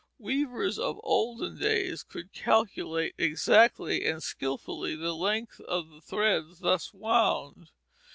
Weavers of olden days could calculate exactly and skilfully the length of the threads thus wound.